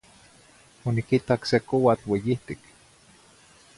Oniquitac se coatl ueyitic.